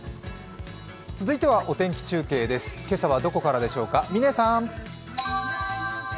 続いてはお天気中継です、今朝はどこからでしょうか嶺さーん。